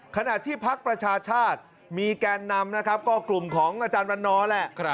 ขณะที่พักประชาชาธิ์มีแก่นำก็กลุ่มของอาจารย์วันนอแหละ